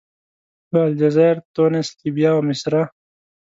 له الجزایر، تونس، لیبیا، مصره.